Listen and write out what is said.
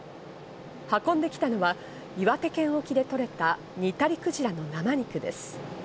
運んできたのは岩手県沖でとれたニタリクジラの生肉です。